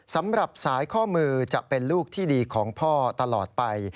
สำหรับสายข้อมือจะเป็นลูกที่ดีของพ่อตลอดไป